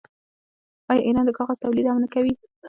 آیا ایران د کاغذ تولید هم نه کوي؟